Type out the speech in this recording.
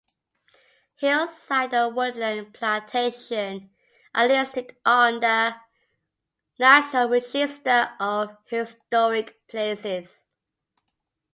Hillside and Woodland Plantation are listed on the National Register of Historic Places.